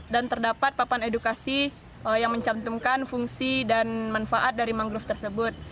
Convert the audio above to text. dan terdapat papan edukasi yang mencantumkan fungsi dan manfaat dari mangrove tersebut